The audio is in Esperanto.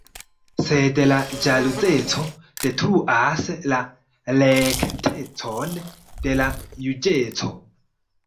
Sed la ĵaluzeco detruas la rektecon de la juĝeco.